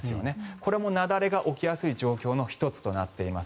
これも雪崩が起きやすい状況の１つとなっています。